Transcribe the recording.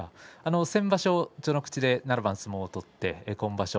先場所序ノ口で７番相撲を取って今場所